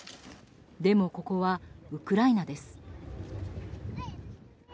でも、ここはウクライナです。